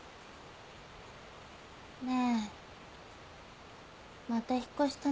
ねえまた引っ越し頼める？